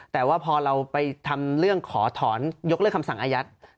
แต่ว่าพอเราไปทำเรื่องขอถอนยกเลิกคำสั่งอายัด